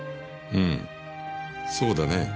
うんそうだねぇ。